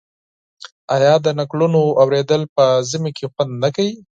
آیا د نکلونو اوریدل په ژمي کې خوند نه کوي؟